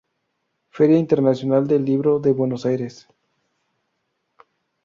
Feria Internacional de Libro de Buenos Aires.